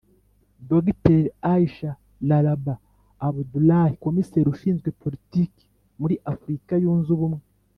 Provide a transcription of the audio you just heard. Dr Aisha Laraba Abdullahi Komiseri ushinzwe Politiki muri Afurika yunze Ubumwe